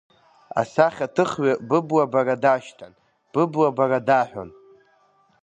Асахьаҭыхҩы быблабара дашьҭан, быблабара даҳәон…